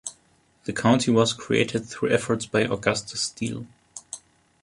The County was created through efforts by Augustus Steele.